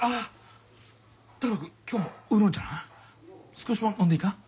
少しも飲んでいかん？